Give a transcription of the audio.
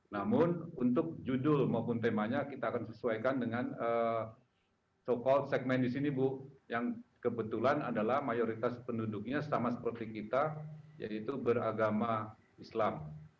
namun untuk judul maupun temanya kita akan sesuaikan dengan so call segmen di sini bu yang kebetulan adalah mayoritas penduduknya sama seperti kita yaitu beragama islam